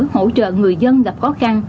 hỗ trợ người dân gặp khó khăn